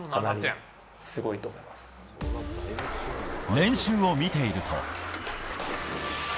練習を見ていると。